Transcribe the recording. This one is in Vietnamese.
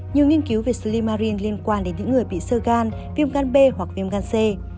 nhiều nghiên cứu về sili marin liên quan đến những người bị sơ gan viêm gan b hoặc viêm gan c